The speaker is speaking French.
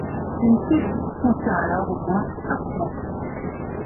Une cellule contient alors au moins un point.